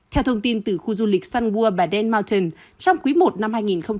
theo thông tin từ khu du lịch sun war baden mountain trong quý i năm hai nghìn hai mươi bốn